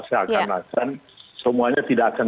seakan akan semuanya tidak akan